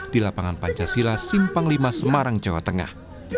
di lapangan pancasila simpang lima semarang jawa tengah